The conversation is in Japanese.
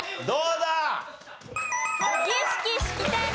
どうだ？